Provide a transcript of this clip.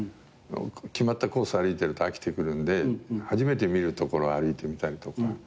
決まったコース歩いてると飽きてくるんで初めて見る所を歩いてみたりとか。